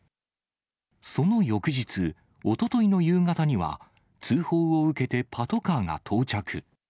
その翌日、おとといの夕方には、通報を受けてパトカーが到着。